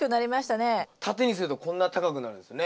縦にするとこんな高くなるんですね。